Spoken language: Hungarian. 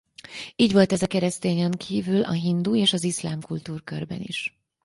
Így volt ez a keresztényen kívül a hindu és az iszlám kultúrkörben is.